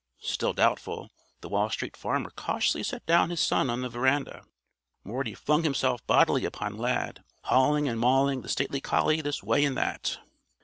Still doubtful, the Wall Street Farmer cautiously set down his son on the veranda. Morty flung himself bodily upon Lad; hauling and mauling the stately collie this way and that.